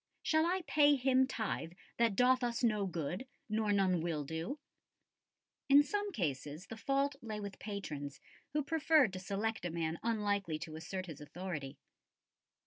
Shall I pay him tithe that doth us no good, nor none will do?" In some cases the fault lay with patrons, who preferred to select a man unlikely to assert his authority.